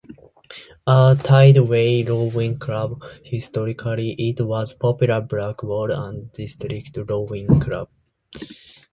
A Tideway rowing club, historically it was Poplar, Blackwall and District Rowing Club.